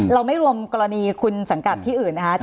เราไม่รวมกรณีคุณสังกัดที่อื่นนะคะ